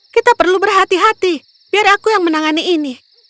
kita perlu berhati hati biar aku yang menangani ini